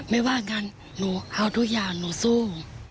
ไม่ว่างั้นหนูเอาทุกอย่างหนูสู้